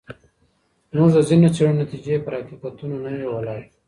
زموږ د ځینو څېړنو نتیجې پر حقیقتونو نه وي وولاړي.